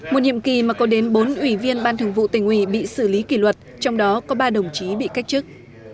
một nhiệm kỳ mà có đến bốn ủy viên ban thường vụ tỉnh ủy bị xử lý kỷ luật trong đó có ba đồng chí bị cách chức